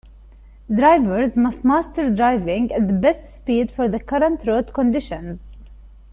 Drivers must master driving at the best speed for the current road conditions.